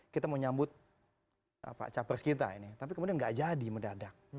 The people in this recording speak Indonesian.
kita mau nyambut pak capres kita ini tapi kemudian nggak jadi mendadak